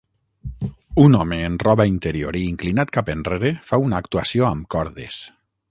Un home en roba interior i inclinat cap enrere fa una actuació amb cordes.